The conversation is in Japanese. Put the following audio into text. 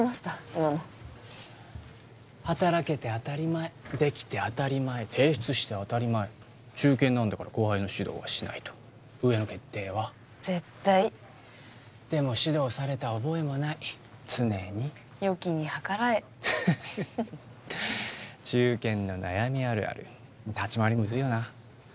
今の働けて当たり前できて当たり前提出して当たり前中堅なんだから後輩の指導はしないと上の決定は絶対でも指導された覚えもない常に良きに計らえ中堅の悩みあるある立ち回りムズいよな